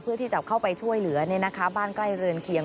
เพื่อที่จะเข้าไปช่วยเหลือบ้านใกล้เรือนเคียง